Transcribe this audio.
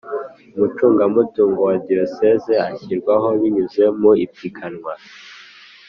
Umucungamutungo wa Diyosezi ashyirwaho binyuze mu ipiganwa